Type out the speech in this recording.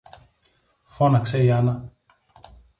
φώναξε η Άννα.